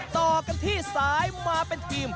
ต่อกันที่สายมาเป็นทีม